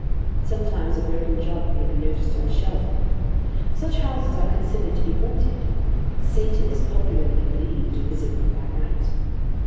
Sometimes a broken jug may be noticed on a shelf. Such houses are considered to be haunted. Satan is popularly believed to visit them by night.